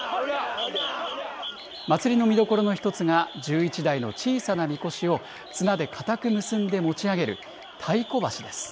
祭りの見どころの一つが１１台の小さなみこしを綱で堅く結んで持ち上げる太鼓橋です。